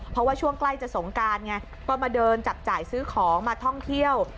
เพราะว่าช่วงใกล้จะสงการไงก็มาเดินจับจ่ายซื้อของมาท่องเที่ยว